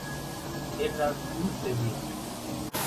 এর রাজধানী সেভিয়া।